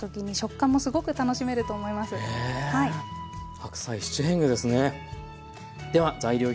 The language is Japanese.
白菜七変化ですね。